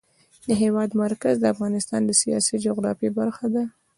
د هېواد مرکز د افغانستان د سیاسي جغرافیه برخه ده.